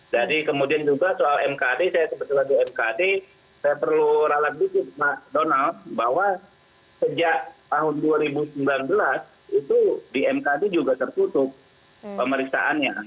jadi kemudian juga soal mkd saya perlu ralati ralati pak donald bahwa sejak tahun dua ribu sembilan belas itu di mkd juga tertutup pemeriksaannya